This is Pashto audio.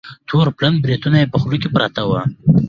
تور پلن بریتونه یې په خوله کې پراته وه.